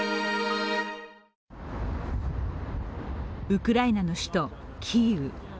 ウクライナの首都キーウ。